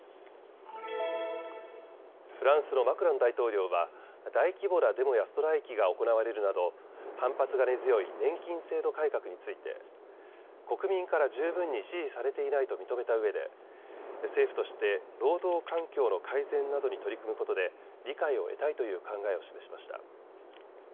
フランスのマクロン大統領は大規模なデモやストライキが行われるなど反発が根強い年金制度改革について国民から十分に支持されていないと認めたうえで政府として労働環境の改善などに取り組むことで理解を得たいという考えを示しました。